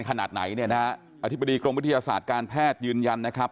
ขนาดไหนเนี่ยนะฮะอธิบดีกรมวิทยาศาสตร์การแพทย์ยืนยันนะครับ